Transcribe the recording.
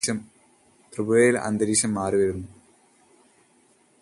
ത്രിപുരയിലും അന്തരീക്ഷം മാറിവരുന്നു.